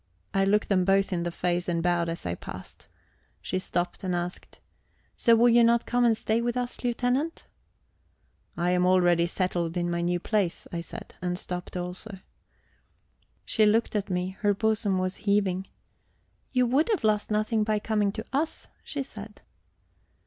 I looked them both in the face and bowed as I passed. She stopped, and asked: "So you will not come and stay with us, Lieutenant?" "I am already settled in my new place," I said, and stopped also. She looked at me; her bosom was heaving. "You would have lost nothing by coming to us," she said.